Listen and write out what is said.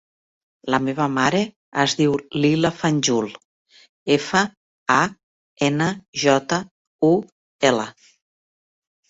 La meva mare es diu Lila Fanjul: efa, a, ena, jota, u, ela.